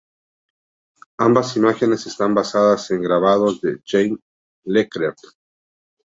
Ambas imágenes están basadas en grabados de Jean Leclerc.